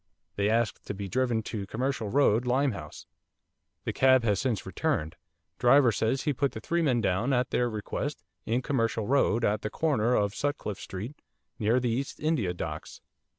They asked to be driven to Commercial Road, Limehouse. The cab has since returned. Driver says he put the three men down, at their request, in Commercial Road, at the corner of Sutcliffe Street, near the East India Docks.